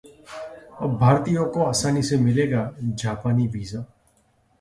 अब भारतीयों को आसानी से मिलेगा जापानी वीजा